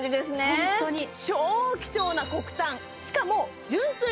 ホントに超貴重な国産しかもすばらしい